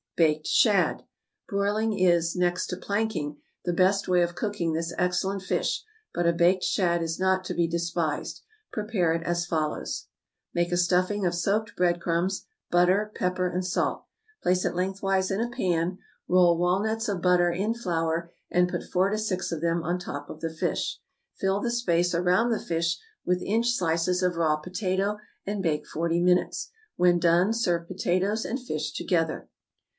=Baked Shad.= Broiling is, next to planking, the best way of cooking this excellent fish; but a baked shad is not to be despised. Prepare it as follows: Make a stuffing of soaked bread crumbs, butter, pepper, and salt; place it lengthwise in a pan; roll walnuts of butter in flour, and put four to six of them on top of the fish; fill the space around the fish with inch slices of raw potato, and bake forty minutes. When done, serve potatoes and fish together.